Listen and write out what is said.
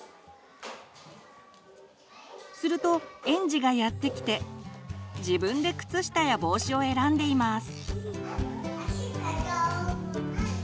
すると園児がやって来て自分で靴下や帽子を選んでいます。